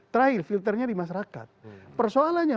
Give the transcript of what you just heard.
terakhir filternya di masyarakat persoalannya